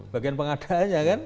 bagian pengadaannya kan